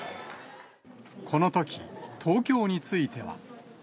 このとき、東京については。